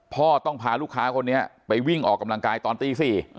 พ่อต้องพาลูกค้าคนนี้ไปวิ่งออกกำลังกายตอนตี๔